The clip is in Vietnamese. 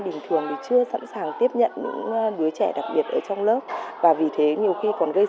đồng thời góp phần tác động